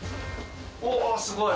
うわっすごい！